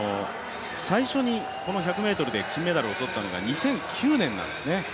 最初に１００ｍで金メダルを取ったのが２００９年なんですね。